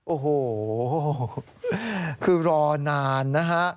โอ้โหคือรอนานนะฮะ